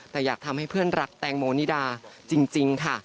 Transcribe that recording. แต่อยากทำให้เพื่อนรักแตงโมนิดาจริงค่ะ